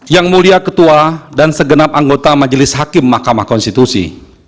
yang mulia ketua dan segenap anggota majelis hakim mahkamah konstitusi